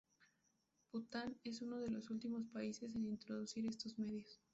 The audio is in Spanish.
Bután es uno de los últimos países en introducir estos medios.